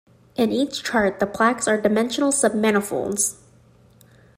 In each chart, the plaques are dimensional submanifolds.